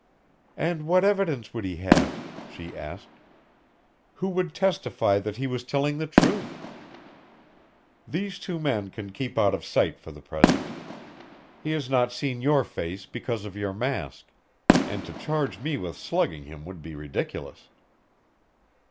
"And what evidence would he have?" she asked. "Who would testify that he was telling the truth? These two men can keep out of sight for the present. He has not seen your face because of your mask. And to charge me with slugging him would be ridiculous."